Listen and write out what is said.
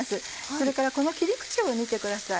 それからこの切り口を見てください。